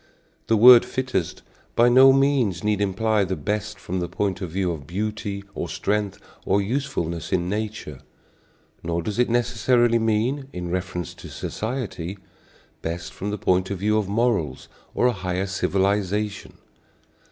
The word "fittest" by no means need imply the best from the point of view of beauty or strength or usefulness in nature; nor does it necessarily mean, in reference to society, best from the point of view of morals or a higher civilization.